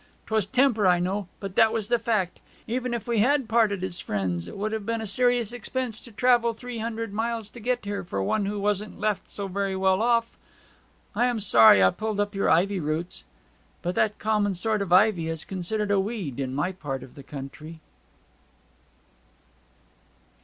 'Twas temper, I know, but that was the fact. Even if we had parted friends it would have been a serious expense to travel three hundred miles to get there, for one who wasn't left so very well off ... I am sorry I pulled up your ivy roots; but that common sort of ivy is considered a weed in my part of the country.'